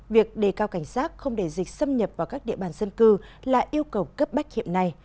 việc đề cao cảnh sát không để dịch xâm nhập vào các địa bàn dân cư là yêu cầu cấp bách hiệp này